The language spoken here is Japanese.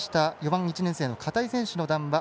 ４番、１年生の片井選手の談話